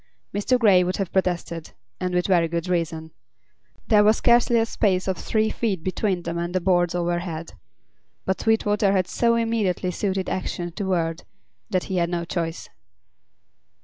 Mr. Grey would have protested and with very good reason. There was scarcely a space of three feet between them and the boards overhead. But Sweetwater had so immediately suited action to word that he had no choice.